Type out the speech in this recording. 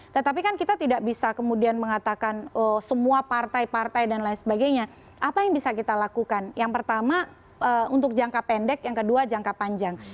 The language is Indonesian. tetapi kan kita tidak bisa kemudian mengatakan semua partai partai dan lain sebagainya apa yang bisa kita lakukan yang pertama untuk jangka pendek yang kedua jangka panjang